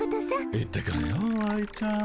行ってくるよ愛ちゃん。